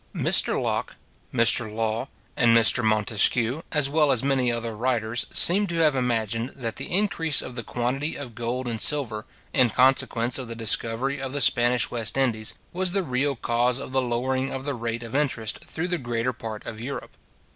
Mr Locke, Mr Lawe, and Mr Montesquieu, as well as many other writers, seem to have imagined that the increase of the quantity of gold and silver, in consequence of the discovery of the Spanish West Indies, was the real cause of the lowering of the rate of interest through the greater part of Europe.